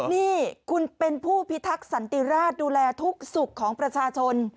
นี่คุณเป็นผู้พิทักษณ์ซันติราชดูแลพวกมีประชาชน